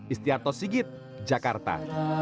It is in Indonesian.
istiato sigit jakarta